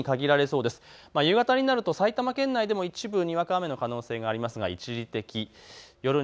夕方になると埼玉県内でも一部にわか雨の可能性があります。